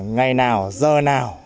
ngày nào giờ nào